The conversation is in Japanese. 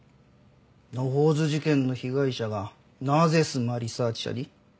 野放図事件の被害者がなぜスマ・リサーチ社に？